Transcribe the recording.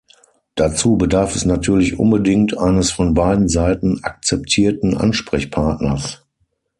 Dazu bedarf es natürlich unbedingt eines von beiden Seiten akzeptierten Ansprechpartners.